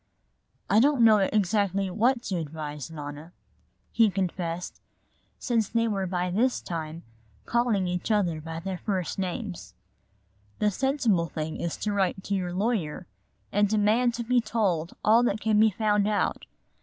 "I don't know exactly what to advise, Nona," he confessed, since they were by this time calling each other by their first names. "The sensible thing is to write to your lawyer and demand to be told all that can be found out.